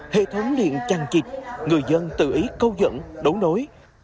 hệ thống liện chăng chịch người dân tự ý câu dẫn đối nối